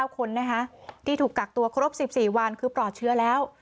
๙คนที่ถูกกักตัวครบ๑๔วันคือปลอดเชื้อแล้ว